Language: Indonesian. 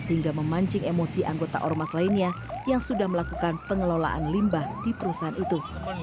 hingga memancing emosi anggota ormas lainnya yang sudah melakukan pengelolaan limbah di perusahaan itu